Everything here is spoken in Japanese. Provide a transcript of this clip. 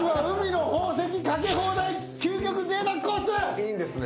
いいんですね？